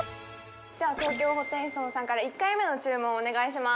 じゃあ東京ホテイソンさんから１回目の注文お願いします